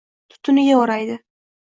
Tutuniga o’raydi.